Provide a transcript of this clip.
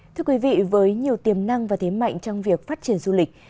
thưa quý vị với nhiều tiềm năng và thế mạnh trong việc phát triển du lịch